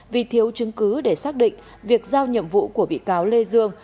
vì thiếu chứng cứ để xác định việc giao nhiệm vụ của bị cáo lê dương